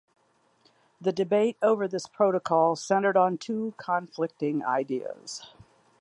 The debate over this protocol centered on two conflicting ideas.